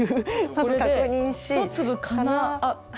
これで１粒かな。